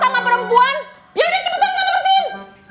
yaudah cepetan kan lepertin